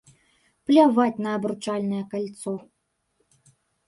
Пляваць на абручальнае кальцо!